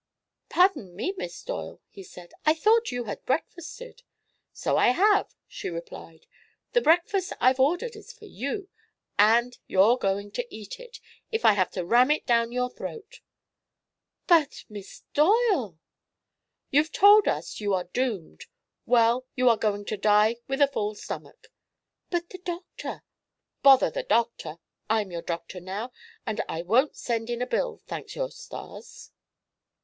"Pardon me, Miss Doyle," he said; "I thought you had breakfasted." "So I have," she replied. "The breakfast I've ordered is for you, and you're going to eat it if I have to ram it down your throat." "But Miss Doyle!" "You've told us you are doomed. Well, you're going to die with a full stomach." "But the doctor " "Bother the doctor! I'm your doctor, now, and I won't send in a bill, thank your stars."